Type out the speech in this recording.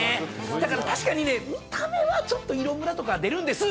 だから確かにね見た目はちょっと色ムラとか出るんです。